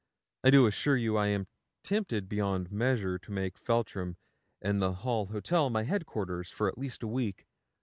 I do assure you I am tempted beyond measure to make Feltram and the Hall Hotel my head quarters for at least a week.